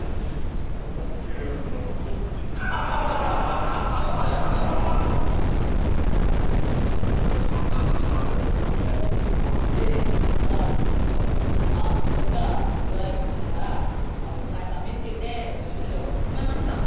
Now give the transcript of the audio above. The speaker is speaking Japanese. ちょっと思ってるよりも遠くてえらいさんざんなスタートやったけどどうなんの？でまだあるんですけどまぁそっからドライブしながらごはん屋さん見つけて駐車場止めました